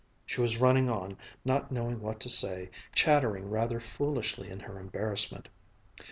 She was running on, not knowing what to say, and chattering rather foolishly in her embarrassment.